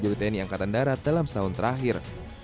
ini adalah penyelesaian dari tni angkatan darat dalam setahun terakhir